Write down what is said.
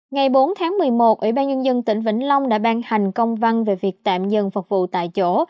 ngày bốn tháng một mươi một ủy ban nhân dân tỉnh vĩnh long đã ban hành công văn về việc tạm dừng phục vụ tại chỗ